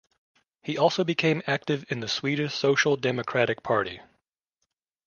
He also became active in the Swedish Social Democratic Party.